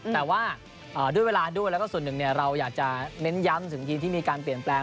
แต่ว่าด้วยเวลาด้วยแล้วก็ส่วนหนึ่งเราอยากจะเน้นย้ำถึงทีมที่มีการเปลี่ยนแปลง